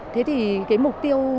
thế thì cái mục tiêu